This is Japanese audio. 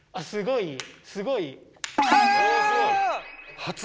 すごい。